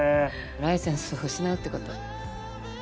ライセンスを失うってこと。